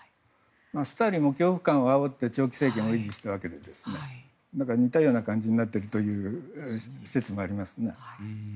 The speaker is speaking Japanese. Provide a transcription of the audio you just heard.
スターリンも恐怖感をあおって長期政権を維持したわけでだから似たような感じになっているという説もありますね。